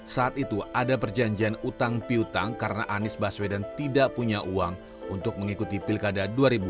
saat itu ada perjanjian utang piutang karena anies baswedan tidak punya uang untuk mengikuti pilkada dua ribu dua puluh